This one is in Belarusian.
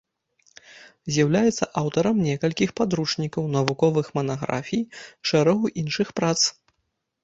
З'яўляецца аўтарам некалькіх падручнікаў, навуковых манаграфій, шэрагу іншых прац.